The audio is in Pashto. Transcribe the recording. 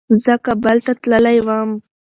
زه کابل ته تللی وم.